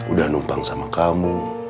udah numpang sama kamu